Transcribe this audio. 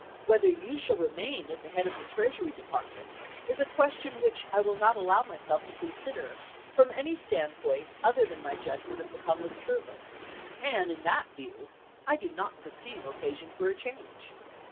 Whether you shall remain at the head of the Treasury Department is a question which I will not allow myself to consider from any stand point other than my judgment of the public service, and, in that view, I do not perceive occasion for a change.